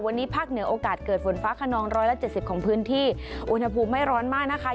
วันนี้ภาคเหนือโอกาสเกิดฝนฟ้าขนองร้อยละเจ็ดสิบของพื้นที่อุณหภูมิไม่ร้อนมากนะคะ